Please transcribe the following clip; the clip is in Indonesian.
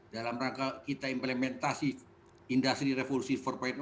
dalam rangka kita implementasi industri revolusi empat